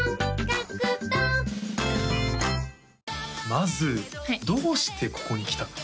まずどうしてここに来たの？